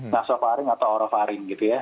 nasofaring atau orovaring gitu ya